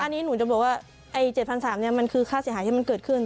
อันนี้หนูจะบอกว่า๗๓๐๐บาทมันคือค่าเสียหายที่มันเกิดขึ้น